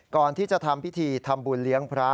ก่อนที่จะทำพิธีทำบุญเลี้ยงพระ